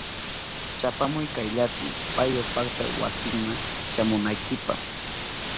Chapamuy kayllapi paywa pakta wasinima shamunaykipa.